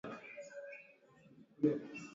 Kijana akamwambia ukweli wa mambo.